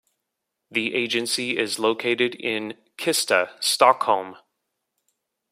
The agency is located in Kista, Stockholm.